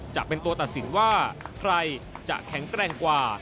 จะเป็นตัวตัดสินว่าใครจะแข็งแกร่งกว่า